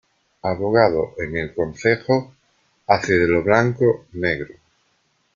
Abogado en el concejo hace de lo blanco negro.